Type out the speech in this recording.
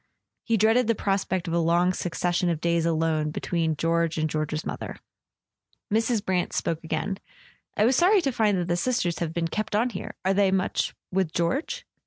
He dreaded the prospect of a long succession of days alone between George and George's mother. Mrs. Brant spoke again. "I was sorry to find that the Sisters have been kept on here. Are they much with George